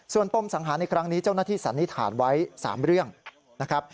ส่วนปมสังหารในครั้งนี้เจ้าหน้าที่สันนิษฐานไว้๓เรื่องนะครับ